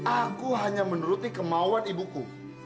aku hanya menuruti kemauan ibuku